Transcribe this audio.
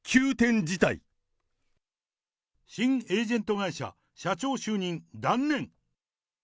新エージェント会社社長就任断念。